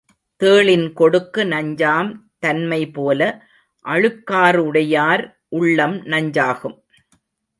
தேளின் கொடுக்கு, நஞ்சாம் தன்மைபோல அழுக்காறுடையார் உள்ளம் நஞ்சாகும்.